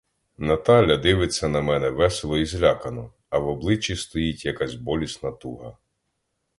Наталя дивиться на мене весело і злякано, а в обличчі стоїть якась болісна туга.